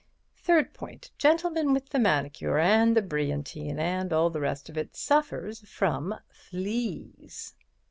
Third point: Gentleman with the manicure and the brilliantine and all the rest of it suffers from fleas."